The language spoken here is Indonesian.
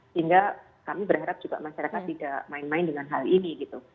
sehingga kami berharap juga masyarakat tidak main main dengan hal ini gitu